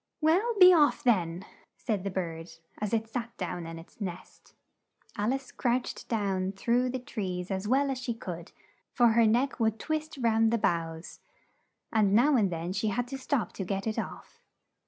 "Well, be off, then!" said the bird as it sat down in its nest. Al ice crouched down through the trees as well as she could, for her neck would twist round the boughs, and now and then she had to stop to get it off.